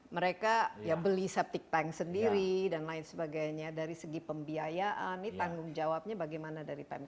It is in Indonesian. mereka ya beli septic tank sendiri dan lain sebagainya dari segi pembiayaan ini tanggung jawabnya bagaimana dari pmk